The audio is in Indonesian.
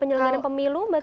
menyelenggaran pemilu mbak titi